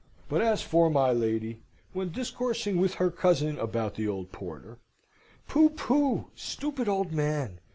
But as for my lady, when discoursing with her cousin about the old porter, "Pooh, pooh! Stupid old man!"